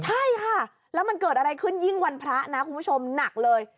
ใช่ค่ะแล้วมันเกิดอะไรขึ้นยิ่งวันพระนะคุณผู้ชมหนักเลย